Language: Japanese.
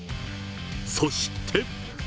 そして。